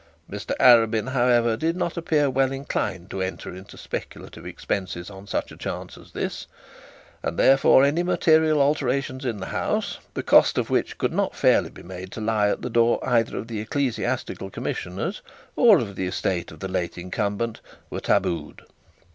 Mr Arabin, however, did not appear well inclined to enter into speculative expenses on such a chance as this, and therefore, any material alterations in the house, the cost of which could not fairly be made to lie at the door either of the ecclesiastical commission or of the estate of the late incumbent, were tabooed.